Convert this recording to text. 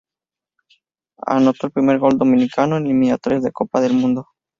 Anotó el primer gol dominicano en Eliminatorias de Copa del Mundo.